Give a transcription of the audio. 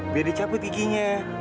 biar dicaput giginya